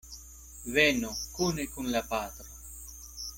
Venu kune kun la patro.